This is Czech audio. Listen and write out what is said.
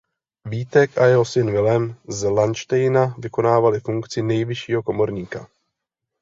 Vítek a jeho syn Vilém z Landštejna vykonávali funkci nejvyššího komorníka.